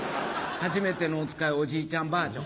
『はじめてのおつかい』おじいちゃんバージョン。